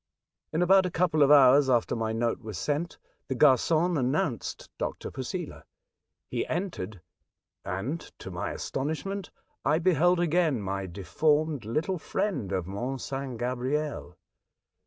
In about a couple of hours after my note was sent, the g argon announced Dr. Posela. He entered, and, to ray astonishment, I beheld again my deformed little friend of Mont St. Gabriel.